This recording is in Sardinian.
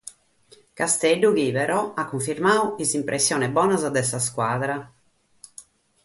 Casteddu chi, però, at cunfirmadu sas impressiones bonas de s'iscuadra.